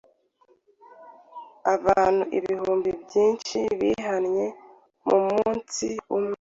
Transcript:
Abantu ibihumbi byinshi bihannye mu munsi umwe.